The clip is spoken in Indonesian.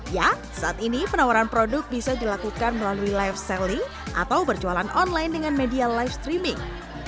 ya saat ini penawaran produk bisa dilakukan melalui live selling atau berjualan online dengan media live streaming